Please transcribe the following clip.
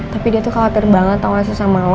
tapi dia tuh khawatir banget tau langsung sama lo